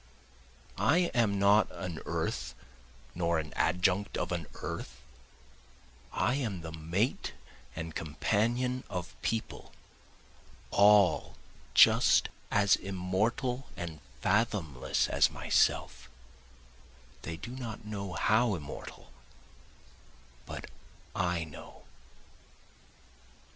I am not an earth nor an adjunct of an earth, I am the mate and companion of people, all just as immortal and fathomless as myself, (They do not know how immortal, but I know.)